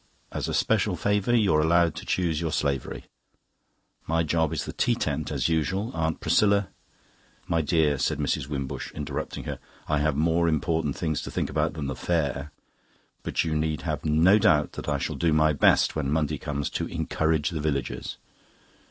As a special favour you're allowed to choose your slavery. My job is the tea tent, as usual, Aunt Priscilla..." "My dear," said Mrs. Wimbush, interrupting her, "I have more important things to think about than the Fair. But you need have no doubt that I shall do my best when Monday comes to encourage the villagers."